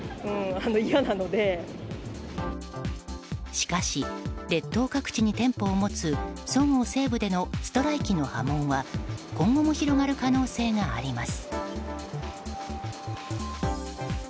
しかし、列島各地に店舗を持つそごう・西武でのストライキの波紋は今後も広がる可能性があります。